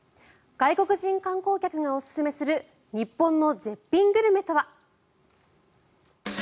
外国人観光客がおすすめする日本の絶品グルメとは？